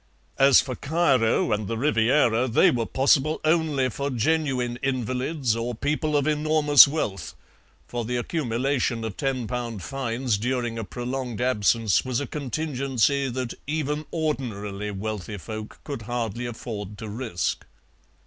As for Cairo and the Riviera, they were possible only for genuine invalids or people of enormous wealth, for the accumulation of £10 fines during a prolonged absence was a contingency that even ordinarily wealthy folk could hardly afford to risk.